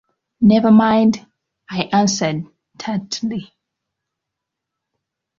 ‘Never mind!’ I answered, tartly.